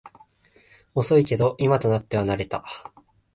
遅いけど今となっては慣れた